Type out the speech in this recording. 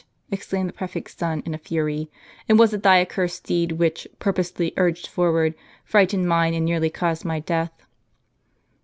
exclaimed the prefect's son in a fury; "and was it thy accursed steed which, purposely urged forward, frightened mine, and nearly caused my death